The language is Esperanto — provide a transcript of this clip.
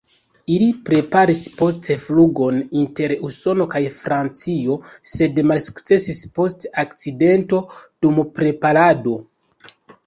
Ili preparis poste flugon inter Usono kaj Francio sed malsukcesis post akcidento dum preparado.